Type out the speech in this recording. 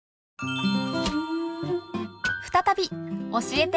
再び「教えて！